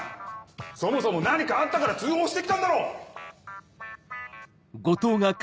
そもそも何かあったから通報して来たんだろ！